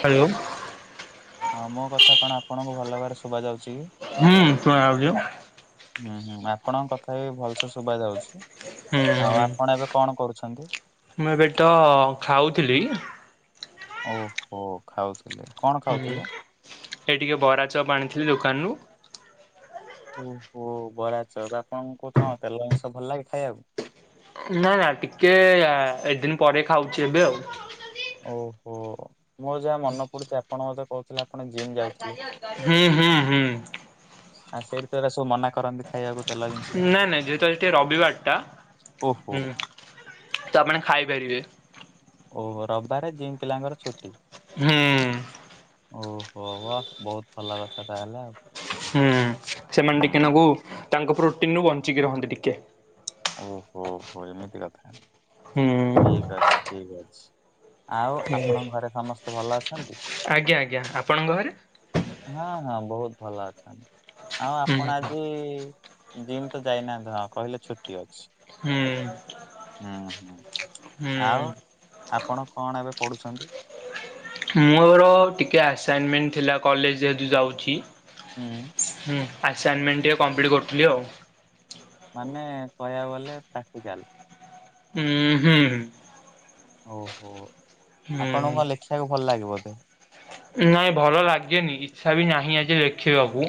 Hello ହଁ ମୋ କଥା କଣ ଆପଣଙ୍କୁ ଭଲ ଭାବରେ ଶୁଭ ଯାଉଚୁ କି? ହୁଁ ଶୁଣାଯାଉଚି। ହୁଁ ହୁଁ ଆପଣଙ୍କ କଥା ବି ଭଲସେ ଶୁଭ ଯାଉଚି ହୁଁ ଆଉ ହୁଁ ଆପଣ ଏବେ କଣ କରୁଚନ୍ତି? ମୁଁ ଏବେ ତ ଖାଉଥିଲି ଓହୋ ଖାଉଥିଲେ କଣ ହୁଁ ଖାଉଥିଲେ? ଏ ଟିକେ ବରା ଚପ୍ ଆଣିଥିଲି ଦୋକାନରୁୁ। ଓହୋ ବରାଚପ୍ ଆପଣଙ୍କୁ ତ ତେଲ ଜିନିଷ ଭଲ ଲାଗେ ଖାଇବାକୁ? ନା ନା ଟିକେ ଏ ଦିନ ପରେ ଖାଉଚି ଏବେ ଆଉ। ଓହୋ ମୋର ଯାହା ମନେ ପଡୁଚି ଆପଣ ମତେ କହୁଥିଲା ଆପଣ ଜିମ୍ ଯାଉଥିଲେ ହୁଁ ହୁଁ ହୁଁ ଆଉ ସେଇଠି ଏତା ସବୁ ମନା କରନ୍ତି ଖାଇବାକୁ। ତେଲ ଜିନିଷ। ନାଇଁ ନାଇଁ ଯେହେତୁ ଆଜି ଟିକେ ରବିବାରଟା ଓହୋ ହୁଁ ତପାଇ ଆପଣ ଖାଇପାରିବେ। ଓ ରବିବାରେ ଜିଉ ପିଲାଙ୍କର ଛୁଟି। ହୁଁ ଓହୋ ହ ବୋହୁତ ଭଲ କଥା ତାହେଲେ ଆଉ। ହୁଁ ସେମାନେ ଟିକେ ହୁଁ ନାକୁ ତାଙ୍କ ପ୍ରୋଟିନରୁୁ ବଞ୍ଚିକି ରହନ୍ତି ଟିକେ। ଓହୋ ହୋ ଏମିତି କଥା ହୁଁ ଠିକ ଅଛି ଠିକ ଅଛି। ଆଉ ହୁଁ। ଆପଣଙ୍କ ଘରେ ସମସ୍ତେ ଭଲ ଅଛନ୍ତି? ଆଜ୍ଞା ଆଜ୍ଞା ଆପଣଙ୍କ ଘରେ? ହଁ ହଁ ବହୁତ ଭଲ ଅଛନ୍ତି ଆଉ ଆପଣ ଆଜି ହୁଁ ଜିମ୍ ତ ଯାଇନାହାନ୍ତି ହଁ କହିଲେ ଛୁଟି ଅଛି। ହୁଁ। ହୁଁ ହୁଁ ହୁଁ ଆଉ ଆପଣ କଣ ଏବେ ପଢୁଚନ୍ତି? ମୋର ଟିକିଏ ଆସାଇନମେଣ୍ଟ ଥିଲା କଲେଜ ଯେହେତୁ ଯାଉଚି। ହୁଁ। ହୁଁ ଆସାଇନମେଣ୍ଟ ଟିକେ କମ୍ପ୍ଲିଟ୍ କରୁଥିଲି ଆଉ। ମାନେ କହିବାକୁ ଗଲେ ପ୍ରାକ୍ଟିକାଲ। ହୁଁ ହୁଁ। ଓହୋ ହୁଁ ଆପଣଙ୍କ ଲେଖିବାକୁ ଭଲ ଲାଗେବଧେ? ନାଇଁ ଭଲ ଲାଗେନି ଇଚ୍ଛା ବି ନାହିଁ ଆଜି ଲେଖିବାକୁ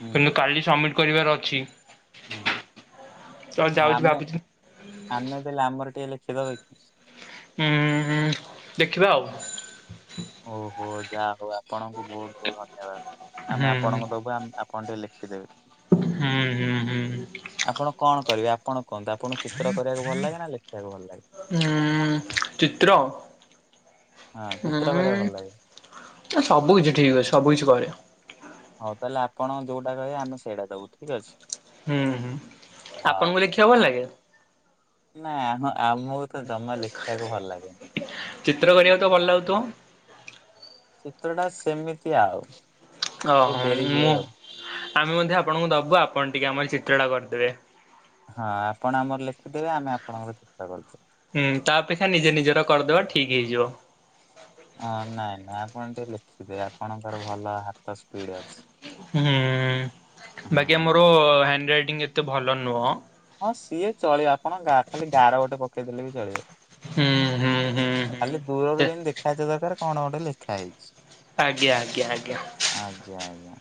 ହୁଁ କିନ୍ତୁ କାଲି ସବମିଟ୍ କରିବାର ଅଛି। ତ ହୁଁ ଯାଉଛି ଆମେ ଭାବୁଛି ଆମେ ଦେଲେ ଆମର ଟିକେ ଲେଖି ଦେବକି? ହୁଁଁ ଦେଖିବା ଆଉ। ଓହୋ ଯାହା ହଉ ଆପଣଙ୍କୁ ବୋହୁତ ବୋହୁତ ଧନ୍ୟବାଦ ଆମେ ହୁଁ ଆପଣଙ୍କୁ ଆମେ ଆ କଣ ଟିକେ ଲେଖି ଦେବେ। ହୁଁ ହୁଁ ହୁଁ। ଆପଣ କଣ କରିବେ ଆପଣ କୁହନ୍ତୁ ଆପଣ ଚିତ୍ର କରିବାକୁ ଭଲ ଲାଗେ ନା ଲେଖିବାକୁ ଭଲ ଲାଗେ? ହୁଁ ଚିତିତ୍ର ହଁ ଚିତ୍ର କରିବାକୁ ଭଲ ଲାଗେ ହୁଁ ନା ସବୁ କିଛି ଠିକ୍ ଅଛି ସବୁ କିଛି କରେ। ହୋଉ ତାହେଲେ ଆପଣ ଯୋଉଟା କହିବେ ଆମେ ସେଇଟା ଦବୁ ଠିକ ଅଛି। ହୁଁ ହୁଁ ଆପଣଙ୍କୁ ଲେଖିବା ଭଲ ଲାଗେ? ନାଇଁ ଆ ଆମକୁ ତ ଜମା ଲେଖିବାକୁ ଭଲ ଲାଗେନି। ଚିତ୍ର କରିବାକୁ ତ ଭଲ ଲାଗୁଥିବ? ଚିତ୍ର ଟା ସେମିତି ଆଉ। ଟିକେ ଓହୋ ଡେରି ହୁଏ ମୁଁ ଆଉ। ଆମେ ମଧ୍ୟ ଆପଣଙ୍କୁ ଦବୁ ଆପଣ ଟିକେ ଆମର ଚିତ୍ରଟା କରିଦେବେ। ହଁ ଆପଣ ଆମର ଲେଖିଦେବେ ଆମେ ଆପଣଙ୍କର ଚିତ୍ର କରିଦବୁ। ହୁଁ ତା ଅପେକ୍ଷା ନିଜେ ନିଜର କରିଦବ ଠିକ୍ ହେଇଯିବ। ଅଁ ନାଇ ନା ଆପଣ ତ ଲେଖିବେ ଆପଣଙ୍କର ଭଲ ହାତ ସ୍ପିଡ୍ ଅଛି। ହୁଁ ବାଗି ହଁ ଆମର ହ୍ୟାଣ୍ଡରାଇଟିଂ ଏତେ ଭଲ ନୁଅଁ। ହଁ ସିଏ ଚଳିବ। ଆପଣ ଗା ଖାଲି ଗାର ଗୋଟେ ପକେଇଦେଲେ ବି ଚଳିବ। ହୁଁ ହୁଁ ହୁଁ। ଖାଲି ଦୂରରୁ ହୁଁ। ଯେନ୍ତି ଦେଖାଯିବା ଦରକାର କଣ ଗୋଟେ ଲେଖା ହେଇଛି। ଆଜ୍ଞା ଆଜ୍ଞା ଆଜ୍ଞା। ଆଜ୍ଞା ଆଜ୍ଞା।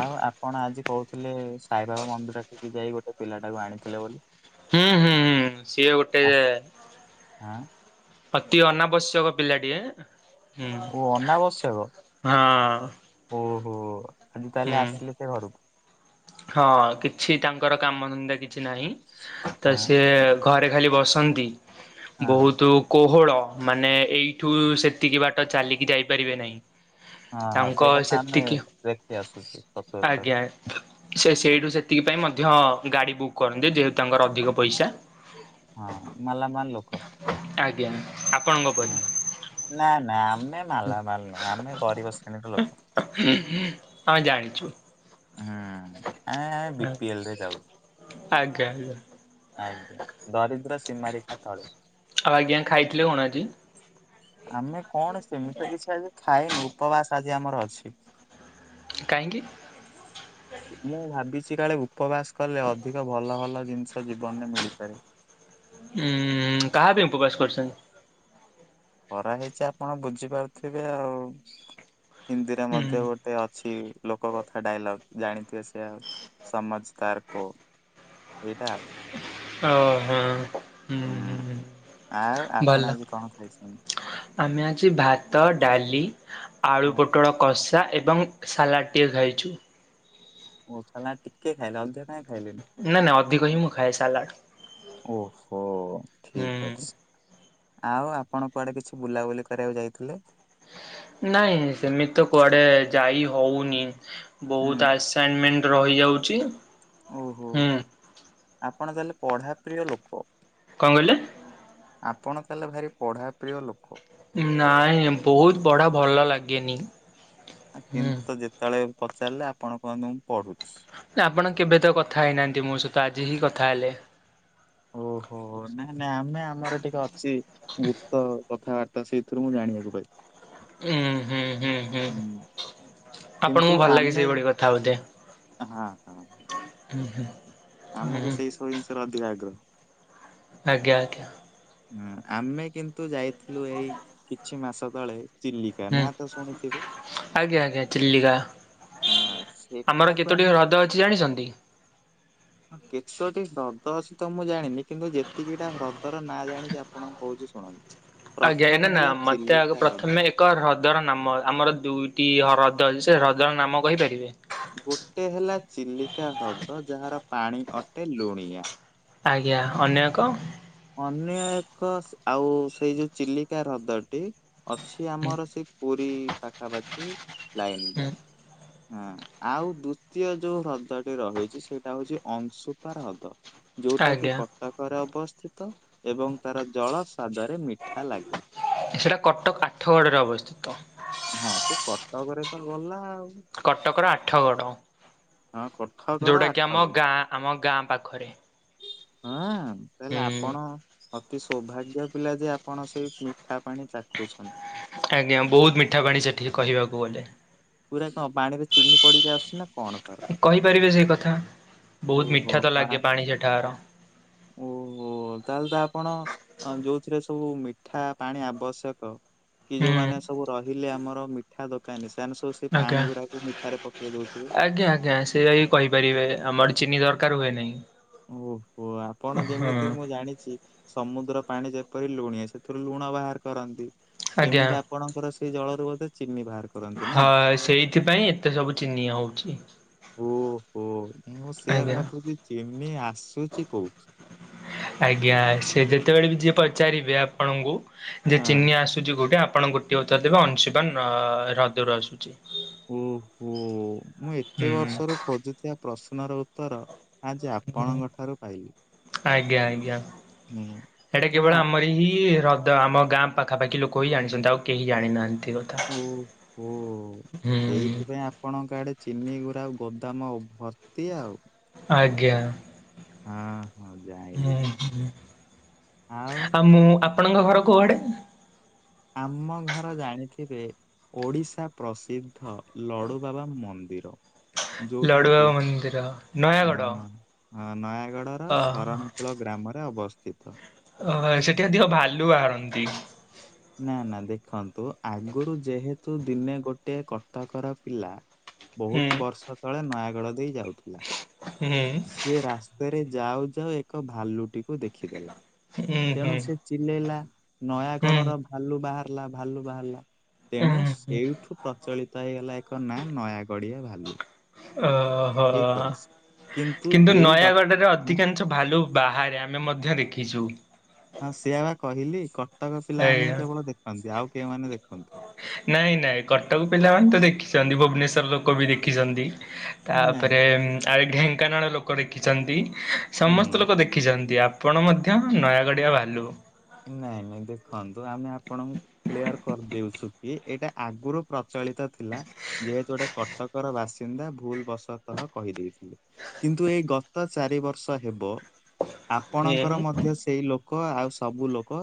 ଆଉ ଆପଣ ଆଜି କଉଥୁଲେ ସାଇବାବା ମନ୍ଦିରିଠିକି ଯାଇ ଗୋଟେ ପିଲାଟାକୁ ଆଣିଥିଲେ ବୋଲି। ହୁଁ ହୁଁ ହୁଁ ସିଏ ଗୋଟେ ଆସ୍ ହଁ ଅତି ଅନାବଶ୍ୟକ ପିଲାଟିଏ ହୁଁ ଓ ଅନାବଶ୍ୟକ ହଁ। ଓହୋ ଆଜି ହୁଁ। ତାହେଲେ ଆସିଲେ ସେ ଘରୁକୁ। ହଁ କିଛି ତାଙ୍କର କାମଧନ୍ଦା କିଛି ନାହିଁ ତ ହଁ ସିଏ ଘରେ ଖାଲି ବସନ୍ତି। ହଁ ବୋହୁତୁ କୋହଳ ମାନେ ଏଇଠୁ ସେତିକି ବାଟ ଚାଲିକି ଯାଇପାରିବେ ନାହିଁ। ହଁ ହଁ ତାଙ୍କ ସେଇଟା ତ ଆମେ ସେତିକି ଦେଖି ଆସୁଚେ ଏକ ଆଜ୍ଞା। ପ୍ରକାର। ସେ ସେଇଠୁ ସେତିକି ପାଇଁ ମଧ୍ୟ ଗାଡି ବୁକ୍ କରନ୍ତି ଯେହେତୁ ତାଙ୍କର ଅଧିକ ପଇସା। ହଁ ମାଲାମାଲ୍ ଲୋକ। ଆଜ୍ଞା ଆପଣଙ୍କ ପରି ହୁଁ। ନା ନା ଆମେ ମାଲାମାଲ୍ ନୁହଁ ଆମେ ଗରିବ ଶ୍ରେଣୀର ଲୋକ। ଆମେ ଜାଣିଛୁ। ଉଁ ଆମେ ବା ବି ପି ଏଲ୍ ରେ ଯାଉ। ଆଜ୍ଞା ଆଜ୍ଞା। ଆଜ୍ଞା ଦରିଦ୍ର ସୀମାରେଖା ତଳୁ। ଆଉ ଆଜ୍ଞା ଖାଇଥିଲେ କଣ ଆଜି? ଆମେ କଣ ସେମିତି କିଛି ଆମେ ଖାଇନୁ ଉପବାସ ଆଜି ଆମର ଅଛି। କାଇଁକି? ମୁଁ ଭାବିଚି କାଳେ ଉପବାସ କଲେ ଅଧିକ ଭଲ ଭଲ ଜିନିଷ ଜୀବନରେ ମିଳିପାରେ। ଉଁ କାହା ପାଇଁ ଉପବାସ କରିଚନ୍ତି? କରା ହେଇଚି ଆପଣ ବୁଝିପାରୁଥିବେ ଆଉ। ହିନ୍ଦୀରେ ମଧ୍ୟ ଗୋଟେ ଅଛି ଲୋକକଥା ଡାଇଲଗ୍ ଜାଣିଥିବେ ସେଆକ୍ ସମଝ୍ ଦାର୍ କୋ ଏଇଟା। ଓହୋ। ହୁଁ ଆଉ ଭଲ ଆପଣ ଆଜି କଣ ଖାଇଛନ୍ତି? ଆମେ ଆଜି ଭାତ ଡାଲି ଆଳୁ ହଁ ପୋଟଳ କଷା ଏବଂ ସଲାଡ୍ ଟିକେ ଖାଇଚୁ। [unintelligible] ଟିକେ ଖାଇଲେ ଅଧିକ କାଇଁ ଖାଇଲେନି? ନା ନା ଅଧିକ ହିଁ ମୁଁ ଖାଏ ସାଲାଡ଼ ଓହୋ ଠିକ୍ ହୁଁ ଅଛି। ଆଉ ଆପଣ କୁଆଡେ କିଛି ବୁଲାବୁଲି କରିଆକୁ ଯାଇଥିଲେ? ନାଇଁ ସେମିତି ତ କୁଆଡେ ଯାଇ ହଉନି ହୁଁ ବୋହୁତ ଆସ୍ ସାଇନମେଣ୍ଟ ରହିଯାଉଚି। ଓହୋ ହୁଁ। ଆପଣ ତାହେଲେ ପଢାପ୍ରିୟ ଲୋକ। କଁ କଇଲେ? ଆପଣ ତାହେଲେ ଭାରି ପଢାପ୍ରିୟ ଲୋକ। ନାଇଁ ବୋହୁତ ବଢା ଭଲ ଲାଗେନି। ଆ ହୁଁ। କିନ୍ତୁ ତ ଯେତବେଳେ ବି ପଚାରିଲେ ଆପଣ କୁହନ୍ତି ମୁଁ ପଢୁଛି। ନା ଆପଣ କେବେ ତ କଥା ହେଇନାଆନ୍ତି ମୋ ସହିତ ଆଜି ହି କଥା ହେଲେ। ଓହୋ ନାଇଁ ନାଇଁ ଆମେ ଆମର ଟିକେ ଅଚି ଗୁପ୍ତ କଥାବାର୍ତ୍ତା ସେଇଥୁରୁ ମୁଁ ଜାଣିବାକୁ ପାଇଚି। ଉଁ ହୁଁ ହୁଁ ହୁଁ। କିନ୍ତୁ ଆପଣଙ୍କୁ ଭଲ ଲାଗେ ଆମେ ସେଇଭଳି କଥା ବୋଧେ? ହଁ ଉଁ ହୁଁ। ଆମୁକୁ ହୁଁ ସେଇ ସବୁ ଜିନିଷରେ ଅଧିକ ଆଗ୍ରହ। ଆଜ୍ଞା ଆଜ୍ଞା। ହୁଁ ଆମେ କିନ୍ତୁ ଯାଇଥିଲୁ ଏଇ କିଛି ମାସ ତଳେ ଚିଲିକା ହୁଁ ନା ତ ଶୁଣିଥିବେ। ଆଜ୍ଞା ଆଜ୍ଞା ଚିଲିକା। ହଁ ଆମର ସେଠାକୁ କେତୋଟି ଆମେ ହ୍ରଦ ଅଛି ଜାଣିଛନ୍ତି? [inaudible] କେତୋଟି ହ୍ରଦ ଅଛି ତ ମୁଁ ଜାଣିନି। କିନ୍ତୁ ଯେତିକିଟା ହ୍ରଦର ନାଁ ଜାଣିଛି ଆପଣଙ୍କୁ କହୁଛି ଶୁଣନ୍ତ। [inaudible] ଆଜ୍ଞା ନା ନା ମତେ ଆଗ ପ୍ରଥମେ ଏକ ହ୍ରଦର ନାମ ଆମର ଦୁଇଟି ହ୍ରଦ ଅଛି ସେ ହ୍ରଦର ନାମ କହିପାରିବେ? ଗୋଟେ ହେଲା ଚିଲିକା ହ୍ରଦ ଯାହାର ପାଣି ଅଟେ ଲୁଣିଆ। ଆଜ୍ଞା ଅନ୍ୟ ଏକ? ଅନ୍ୟ ଏକ ଆଉ ସେଇ ଯୋଉ ଚିଲିକା ହ୍ରଦଟି ଅଛି ହୁଁ ଆମର ସେଇ ପୁରୀ ପାଖାପାଖି ଲାଇନରେ। ହୁଁ ହଁ ଆଉ ଦ୍ଵିତୀୟ ଯୋଉ ହ୍ରଦଟି ରହିଚି ସେଇଟା ହଉଚି ଅଂଶୁପା ହ୍ରଦ। ଯୋଉଟା କି ଆଜ୍ଞା କଟକରେ ଅବସ୍ଥିତ ଏବଂ ତାର ଜଳ ସ୍ୱାଦରେ ମିଠା ଲାଗେ। ସେଟା କଟକ ଆଠଗଡରେ ଅବସ୍ଥିତ। ହଁ ସେ କଟକରେ ତ ଗଲା ଆଉ। କଟକର ଆଠଗଡ଼ ହଁ କଟକର ଯୋଉଁଟା ଆଠ କିି ଆମ ଗଣା। ଗାଁ ଆମ ଗାଁ ପାଖରେ। ହଁ ତାହେଲେ ହୁଁ ଆପଣ ସୌଭାଗ୍ୟ ପିଲା ଯେ ଆପଣ ସେଇ ମିଠା ପାଣି ଚାଖୁଚନ୍ତି। ଆଜ୍ଞା ବହୁତ ମିଠା ପାଣି ସେଠିକି କହିବାକୁ ଗଲେ। ପୁରା କଣ ପାଣିରେ ଚିନି ପଡିକି ଆସୁଚି ନା କଣ ତାର? କହିପାରିବେ ସେଇ କଥା। ବହୁତ ଓହୋ ମିଠା ତ ଲାଗେ ପାହା ପାଣି ସେଠାକାର ହୁଁ ଓହୋ ତାହେଲେ ତ ଆପଣ ଅ ଯୋଉଥିରେ ସବୁ ମିଠା ପାଣି ଆବଶ୍ୟକ। କି ଯୋଉମାନେ ସବୁ ରହିଲେ ଆମର ମିଠା ଦୋକାନୀ ସେମାନେ ସବୁ ସେ ଆଜ୍ଞା। ପାଣି ଗୁଡାକୁ ମିଠାରେ ପକେଇ ଦଉଥିବେ। ଆଜ୍ଞା ଆଜ୍ଞା ସେଟା ହି କହିପାରିବେ। ଆମର ଚିନି ଦରକାର ହୁଏ ନାହିଁ। ଓହୋ ଆପଣ ହଁ ଯେମିତି ମୁଁ ଜାଣିଚି ସମୁଦ୍ର ପାଣି ଯେପରି ଲୁଣି ସେଥିରୁ ଲୁଣ ବାହାର କରନ୍ତି। ଆଜ୍ଞା ସେମିତି ଆ ପଣଙ୍କର ସେଇ ଜଳରୁ ବୋଧେ ଚିିନି ବାହାର କରନ୍ତି। ନା? ହଁ ସେଇଥିପାଇଁ ଏତେ ସବୁ ଚିନି ହଉଚି। ଓ ମୁଁ ସେଆ ଆଜ୍ଞା ଭାବୁଚି ଚିନି ଆସୁଚି କୋଉଠୁ। ଆଜ୍ଞା ସେ ଯେତେବେଳେ ବି ଯିଏ ପଚାରିବେ ଆପଣଙ୍କୁ ଯେ ହଁ ଚିନି ଆସୁ ଚି ଗୋଟେ ଆପଣ ଗୋଟଏ ଉତ୍ତର ଦେବେ ଅଂସୂପା ହ୍ରଦରୁ ଆସୁଚି। ଓହୋ ମୁଁ ଏତେ ହୁଁ ବର୍ଷରୁ ଖୋଜୁଥିବା ପ୍ରଶ୍ନର ଉତ୍ତର ଆଜି ଆପଣଙ୍କ ଠାରୁ ପାଇଲି। ଆଜ୍ଞା ଆଜ୍ଞା ହୁଁ ଏଇଟା ତେଣୁ କେବଳ ଆପ ଆମରି ହିଁ ହ୍ର ତ ଆମ ଗାଁ ପାଖାପାଖି ଲୋକ ହିଁ ଜାଣିଚନ୍ତି। ଆଉ କେହି ଜାଣିନାହାନ୍ତି। ଓ ହୋ ହୁଁ ସେଇଥିପାଇଁ ଆପ ପଣଙ୍କ ଆଡେ ଚିନି ଗୁୁରା ଆଉ ଗୋଦାମ ଭର୍ତ୍ତି ଆଉ। ଆଜ୍ଞା। ହଁ। ହଁ ହୁଁ ଜାଣିଲି ଜାଣି ଆଉ ମୁଁ ଆପଣଙ୍କ ଘର କୋଉ ଆଡେ? ଆମ ଘର ଜାଣିଥିବେ। ଓଡ଼ିଶା ପ୍ରସିଦ୍ଧ ଲଡ଼ୁବାବା ମନ୍ଦିର। ଯୋଉଟା କି ଲଡୁବାବା ମନ୍ଦିର ଆ ନୟାଗଡ଼। ଆ ନୟାଗଡ଼ର ଅ ଶରଣ କୂଳ ଗ୍ରାମରେ ଅବସ୍ଥିତ। ଓହୋ ସେଠି ଅଧିକ ଭାଲୁ ବାହାରନ୍ତି। ନା ନା ଦେଖନ୍ତୁ ଆଗରୁ ଯେହେତୁ ଦିନେ ଗୋଟେ କଟକର ପିଲା। ହୁଁ ବହୁତ ବର୍ଷ ତଳେ ନୟାଗଡ଼ ଦେଇ ଯାଉଥିଲା। ହୁଁ। ସେ ରାସ୍ତାରେ ଯାଉ ଯାଉ ଏକ ଭାଲୁଟିକୁ ଦେଖିଦେଲା ହୁଁ ହୁଁ ତେଣୁ ସେ। ଚିଲେଇଲା ହୁଁ ନୟାଗଡର ଭାଲୁ ବାହାରିଲା ଭାଲୁ ବାହାରିଲା ତେଣୁ ହୁଁ ହୁଁ। ସେଇଠୁ। ପ୍ରଚଳିତ ହେଇଗଲା ଏକ ନାଁ ନୟାଗଡିଆ ଭାଲୁ। ଓହୋ ଠିକ ଅଛି। କିନ୍ତୁ ଏଇ ନୟାଗଡ଼ରେ ଗ ଅଧିକାଂ ଶ ଭାଲୁ ବାହାରେ ଆମେ ମଧ୍ୟ ଦେଖିଛୁ। ହଁ ସେଇଆ ବା କହିଲି କଟକ ପିଲାମାନେ ହିଁ ଆଜ୍ଞା କେବଳ ଦେଖନ୍ତି ଆଉ କେଉଁମାନେ ଦେଖନ୍ତିନି। ନାଇଁ ନାଇଁ କଟକ ପିଲାମାନେ ତ ଦେଖିଛନ୍ତି ଭୁବନେଶ୍ଵର ଲୋକ ବି ଦେଖିଛନ୍ତି। ନାଇଁ। ତାପରେ ଉଁ ଢେଙ୍କାନାଳ ଲୋକ ଦେଖିଛନ୍ତି‌ ସମସ୍ତ ହୁଁ ଲୋକ ଦେଖି ଦେଖିଛନ୍ତି ଆପଣ ମଧ୍ୟ ନୟାଗଡିଆ ଭାଲୁ। ନାଇଁ, ନାଇଁ, ଦେଖନ୍ତୁ, ଆମେ ଆପଣ କ୍ଲିୟର କରିଦେଉଛୁ କି, ଏଇଟା ଆଗରୁ ପ୍ରଚଳିତ ଥିଲା। ଯେହେତୁ ଗୋଟେ କଟକର ବାସିନ୍ଦା ଭୁଲବଶତଃ କହିଦେଇଥିଲେ। କିନ୍ତୁ, ଏଇ ଗତ ଚାରି ବର୍ଷ ହେବ। ହୁଁ ଆପଣଙ୍କର ମଧ୍ୟ ସେଇ ଲୋକ ଆଉ ସବୁ ଲୋକ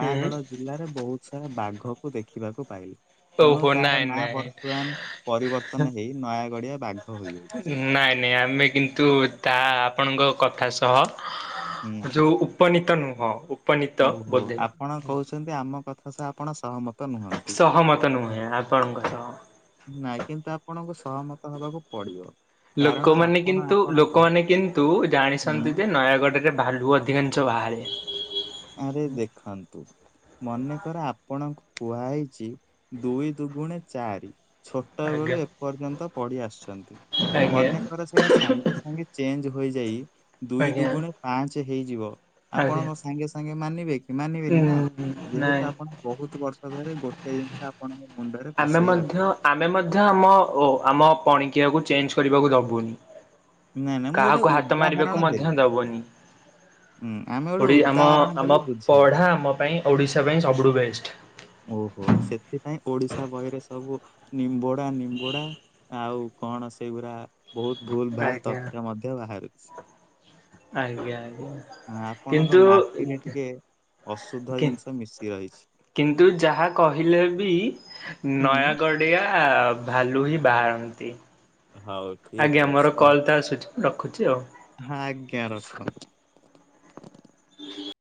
ହୁଁ ଜିଲ୍ଲାରେ ବହୁତ ସମୟ ବାଘକୁ ଦେଖିବାକୁ ପାଇଲେ। ତେଣୁ, ଓହୋ ତାର ନାଇଁ ନାଁ ନାଇଁ। ବର୍ତ୍ତମାନ ପରିବର୍ତ୍ତନ ହେଇ ନୟାଗଡିଆ ବାଘ ହୋଇଯାଇଛି। ନାଇଁ ନାଇଁ ଆମେ, କିନ୍ତୁ, ତାହା ଆପଣଙ୍କ କଥା ସହ ହୁଁ। ଯୋଉ। ଉପନୀତ ନୁହଁ। ଉପନୀତ ଓହୋ, ବୋଧେ ଆପଣ କହୁଛନ୍ତି, ଆମ କଥା ସହ ଆପଣ ସହମତ। ନୁହନ୍ତି। ସହମତ ନୁହେଁ, ଆପଣଙ୍କ ସହ। ନାଇଁ, କିନ୍ତୁ ଆପଣଙ୍କୁ ସହମତ ହବାକୁ ପଡିବ। ଲୋକ କାରଣ ମାନେ ଆପଣ କିନ୍ତୁ, ଲୋକ ଆପଣଙ୍କ ମାନେ କିନ୍ତୁ ହୁଁ ଜାଣିଛନ୍ତି ଯେ ନୟାଗଡ଼ରେ ରେ ଭାଲୁ ଅଧିକାଂଶ ବାହାରେ। ଆରେ, ଦେଖାନ୍ତୁ। ମନେକର, ଆପଣଙ୍କୁ କୁହା ହେଇଛି, ଦୁଇ ଦୁଗୁଣେ ଚାରି। ଛୋଟ ବେଳୁ ଆଜ୍ଞା ଏପର୍ଯ୍ୟନ୍ତ ପଢ଼ି ଆସିଛନ୍ତି ଆଜ୍ଞା ମନେକର। ସେଟା ସାଙ୍ଗେ ସାଙ୍ଗେ ଚେଞ୍ଜ ହୋଇଯାଇ, ଦୁଇ ଆଜ୍ଞା। ଦୁଗୁଣେ ପାଞ୍ଚ ହେଇଯିବ ଆଜ୍ଞା ଆପଣଙ୍କ ସାଙ୍ଗେ ସାଙ୍ଗେ ମାନିବେ କି ଉଁ ମାନିବେନି ନା? ଯେହେତୁ, ନାଇଁ ଆପଣ ବହୁତ ବର୍ଷ ଧରେ ଗୋଟେ ଜିନିଷ ଆ ଆପଣଙ୍କ ମୁଣ୍ଡରେ‌। ଆମେ ମଧ୍ୟ, ଆମେ ମଧ୍ୟ ଆମ ଓ ଆମ ପଣିକିଆକୁ ଚେଞ୍ଜ କରିବାକୁ ଦବୁନି। ନାଇଁ ନାଇଁ ମୁଁ ଗୋଟେ କାହାକୁ ହାତ ଉଦାହରଣ ମାରିବାକୁ ମଧ୍ୟ ଦବୁନି। ଉଁ, ଆମେ ଗୋଟେ ଓଡ଼ି ଉଦାହରଣ ଆମ-ଆମ ଦେଲି ବୁଝିବା ପାଇଁ। ପଢ଼ା, ଆମ ପାଇଁ, ଓଡ଼ିଶା ପାଇଁ ସବୁଠୁ ବେଷ୍ଟ। ଓହୋ, ସେଥିପାଇଁ ଓଡିଶା ବହିରେ, ସବୁ ନିମ୍ବୋଡା ନିମ୍ବୋଡା। ଆଉ କଣ, ସେଇଗୁୁରା ବହୁତ ଭୁଲ ଭାଲ ଆଜ୍ଞା ତଥ୍ୟ ମଧ୍ୟ ବାହାରୁଛି। ଆଜ୍ଞା, ଆଜ୍ଞା। ହଁ, ଆପଣଙ୍କ କିନ୍ତୁ ମାଟିରେ ଟିକେ ଅଶୁଦ୍ଧ କି ଜିନିଷ ମିଶି ରହିଛି। କିନ୍ତୁ, ଯାହା କହିଲେ ବି, ହୁଁ ନୟାଗଡ଼ ଡିଆ‌ ଭାଲୁ ହିଁ ବାହାରନ୍ତି। ହଉ। ଠିକ ଆଜ୍ଞା, ଅଛି ମୋର ତ କଲତ ଆସୁଛି ମୁଁ ରଖୁଛି ଆଉ। ହଁ, ଆଜ୍ଞା, ରଖନ୍ତୁ। [inaudible]